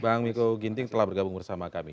bang miko ginting telah bergabung bersama kami